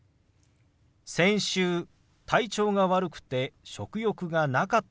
先週体調が悪くて食欲がなかったの。